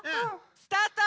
スタート！